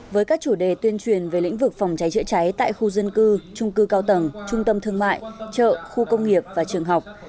với các chủ đề tuyên truyền về lĩnh vực phòng cháy chữa cháy tại khu dân cư trung cư cao tầng trung tâm thương mại chợ khu công nghiệp và trường học